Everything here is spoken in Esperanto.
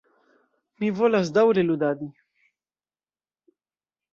Mi volas daŭre ludadi.